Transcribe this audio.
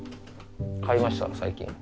買いました最近。